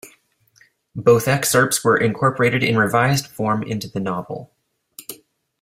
Both excerpts were incorporated in revised form into the novel.